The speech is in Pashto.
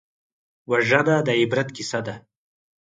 وژنه د عبرت کیسه ده